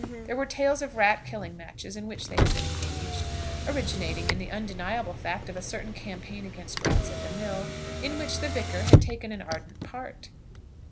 There were tales of rat killing matches in which they had been engaged, originating in the undeniable fact of a certain campaign against rats at the mill, in which the Vicar had taken an ardent part.